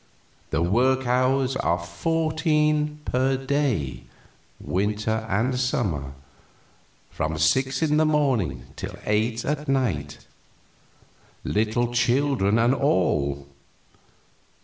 The work hours are fourteen per day, winter and summer from six in the morning till eight at night little children and all.